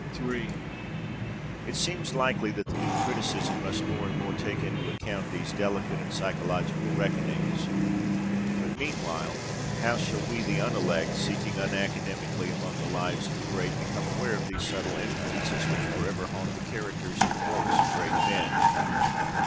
III It seems likely that the new criticism must more and more take into account these delicate and psychological reckonings; but meanwhile how shall we, the unelect, seeking unacademically among the lives of the great, become aware of these subtle influences which forever haunt the characters and the works of great men?